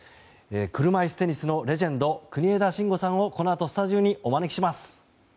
車いすテニスのレジェンド国枝慎吾さんをこのあとスタジオにお招きします。